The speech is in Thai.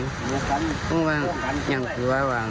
แล้วผมเป็นเพื่อนกับพระนกแต่ผมก็ไม่เคยช่วยเหลือเสียแป้ง